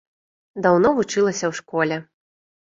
Даўно вучылася ў школе.